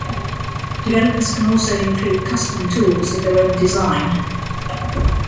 Developers can also include custom tools of their own design.